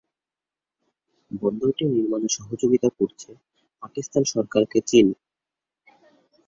বন্দরটি নির্মাণে সহযোগিতা করছে পাকিস্তান সরকারকে চীন।